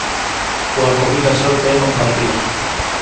Coa covid a sorte é compartida.